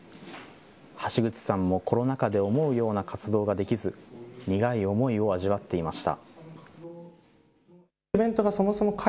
橋口さんもコロナ禍で思うような活動ができず、苦い思いを味わっていました。